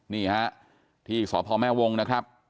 นี่ฮะที่สพแม่วงนะครับ